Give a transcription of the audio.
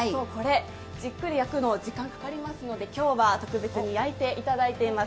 じっくり焼くの時間かかりますので今日は特別に焼いていただいています。